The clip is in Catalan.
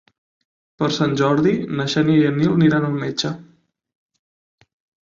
Per Sant Jordi na Xènia i en Nil aniran al metge.